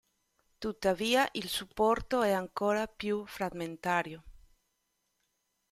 Tuttavia, il supporto è ancora più frammentario.